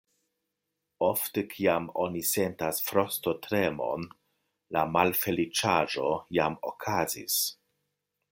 Ofte, kiam oni sentas frostotremon, la malfeliĉaĵo jam okazis.